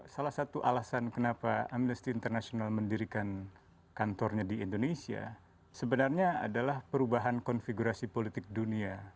salah satu alasan kenapa amnesty international mendirikan kantornya di indonesia sebenarnya adalah perubahan konfigurasi politik dunia